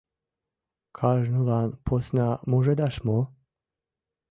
Кажнылан посна мужедаш мо?